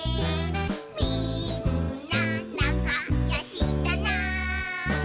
「みんななかよしだな」